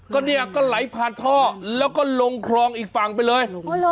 ก็เนี่ยก็ไหลผ่านท่อแล้วก็ลงคลองอีกฝั่งไปเลย